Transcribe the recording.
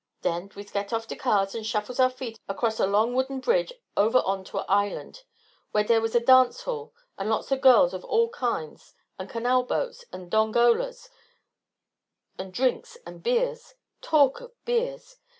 Den wese gets off de cars and shuffles our feet across a long wooden bridge over on to a island, where dare was a dance hall and lots of girls of all kinds and canal boats, and dongolas, and drinks, and beers talk of beers!